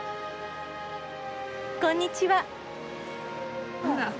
こんにちは。